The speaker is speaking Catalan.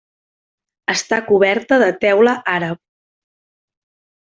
Està coberta de teula àrab.